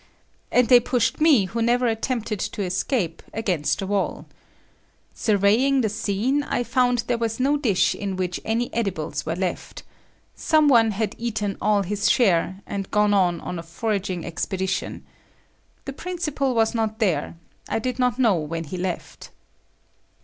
And they pushed me who never attempted to escape against the wall. Surveying the scene, I found there was no dish in which any edibles were left. Some one had eaten all his share, and gone on a foraging expedition. The principal was not there,—I did not know when he left.